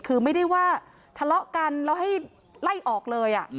คือไม่ได้ว่าทะเลาะกันแล้วให้ไล่ออกเลย